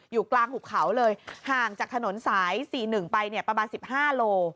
อยู่กลางหุบเขาเลยห่างจากถนนสาย๔๑ไปเนี่ยประมาณ๑๕โล